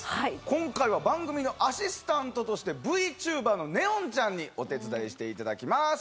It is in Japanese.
今回は番組のアシスタントとしてＶＴｕｂｅｒの音音ちゃんにお手伝いしていただきます。